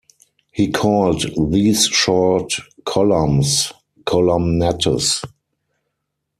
He called these short columns columnettes.